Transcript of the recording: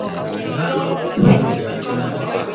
kaskazini mwa mji mkuu wa Nairobi